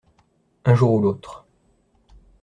Un jour ou l’autre.